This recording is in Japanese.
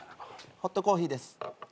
ホットコーヒーです。